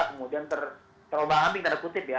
kemudian terombang ambing tanda kutip ya